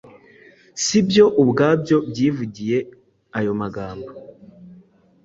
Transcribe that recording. si byo ubwabyo byivugiye ayo magambo